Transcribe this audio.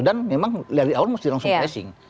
dan memang dari awal harus langsung pressing